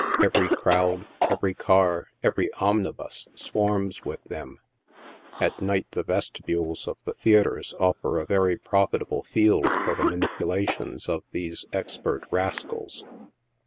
Every crowd, every car, every omnibus swarms with them. At night the vestibules of the theatres offer a very profitable field for the manipulations of these expert rascals.